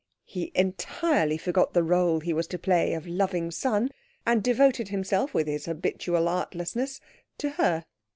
He entirely forgot the rôle he was to play of loving son, and devoted himself, with his habitual artlessness, to her.